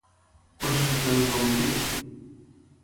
Quants lluitadors van morir?